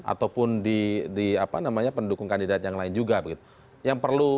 ataupun di pendukung kandidat yang lain juga begitu